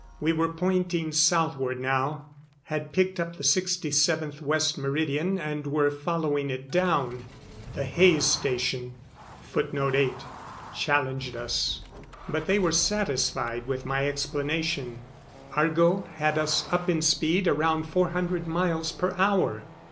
We were pointing southward now, had picked up the 67th West Meridian and were following it down. The Hays station challenged us; but they were satisfied with my explanation. Argo had us up in speed around four hundred miles per hour.